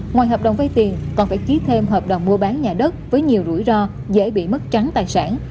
ngoài hợp đồng vay tiền còn phải ký thêm hợp đồng mua bán nhà đất với nhiều rủi ro dễ bị mất trắng tài sản